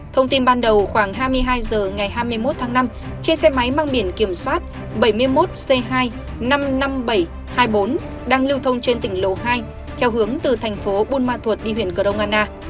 thông tin ban đầu khoảng hai mươi hai h ngày hai mươi một tháng năm trên xe máy mang biển kiểm soát bảy mươi một c hai năm mươi năm nghìn bảy trăm hai mươi bốn đang lưu thông trên tỉnh lộ hai theo hướng từ thành phố buôn ma thuột đi huyện cờ rông anna